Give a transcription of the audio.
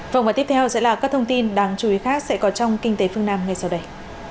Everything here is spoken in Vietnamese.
vòng và tiếp theo sẽ là các thông tin đáng chú ý khác sẽ có trong kinh tế phương nam ngay sau đây